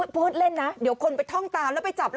พูดเล่นนะเดี๋ยวคนไปท่องตามแล้วไปจับแล้ว